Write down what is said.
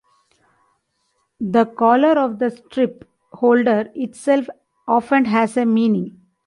The color of the strip holder itself often has a meaning.